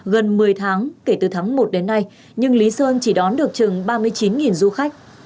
gần một mươi tháng kể từ tháng một đến nay nhưng lý sơn chỉ đón được chừng ba mươi chín du khách